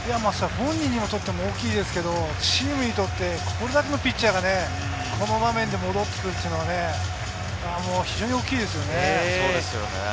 本人にとっても大きいですけどチームにとってこれだけのピッチャーがね、この場面で戻ってくるのは非常に大きいですね。